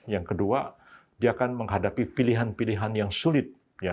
yang kedua dia akan menghadapi pilihan pilihan yang sulit